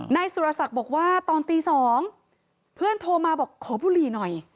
นายสุรศักดิ์บอกว่าตอนตี๒เพื่อนโทรมาบอกขอบุหรี่หน่อย